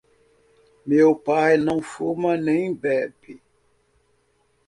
Meu pai não fuma nem bebe.